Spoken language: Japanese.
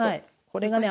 これがね